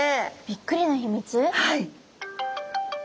はい。